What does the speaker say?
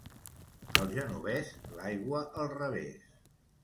Al Genovés, l'aigua al revés.